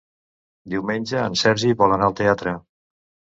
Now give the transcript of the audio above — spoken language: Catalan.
Diumenge en Sergi vol anar al teatre.